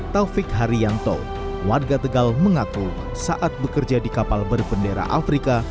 taufik haryanto warga tegal mengaku saat bekerja di kapal berbendera afrika